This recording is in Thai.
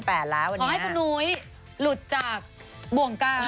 เพราะให้คุณนุ๊ยหลุดจากบ่วงกาม